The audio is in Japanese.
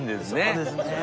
そうですね。